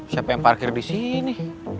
siapa yang parkir disini